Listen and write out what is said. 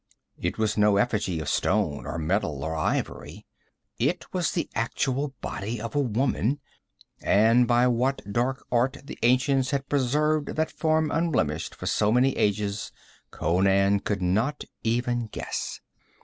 It was no effigy of stone or metal or ivory. It was the actual body of a woman, and by what dark art the ancients had preserved that form unblemished for so many ages Conan could not even guess.